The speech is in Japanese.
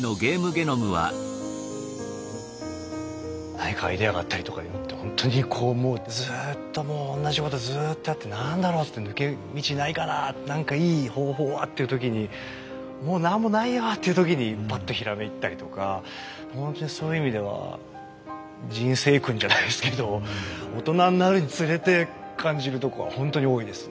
何かアイデアがあったりとかいうのってほんとにこうもうずっともう同じことずっとやって何だろうっつって抜け道ないかなあ何かいい方法はっていう時にもうなんもないよっていう時にバッと閃いたりとかほんとにそういう意味では人生訓じゃないですけど大人になるにつれて感じるとこはほんとに多いですね。